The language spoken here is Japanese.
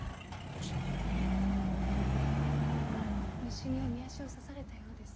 虫におみ足を刺されたようです。